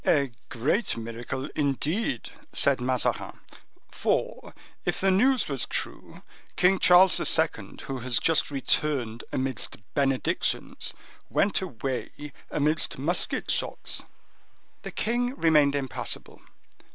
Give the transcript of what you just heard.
"A great miracle, indeed," said Mazarin; "for, if the news was true, King Charles II., who has just returned amidst benedictions, went away amidst musket shots." The king remained impassible.